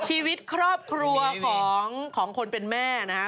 ชีวิตครอบครัวของคนเป็นแม่นะฮะ